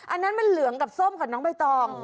อันนั้นมันเหลืองกับส้มค่ะน้องใบตอง